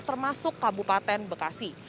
termasuk kabupaten bekasi